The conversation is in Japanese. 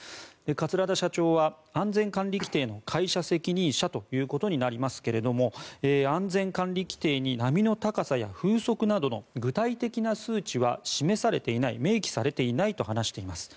桂田社長は安全管理規定の会社責任者となりますが安全管理規定に波の高さや風速などの具体的な数値は示されていない明記されていないと話しています。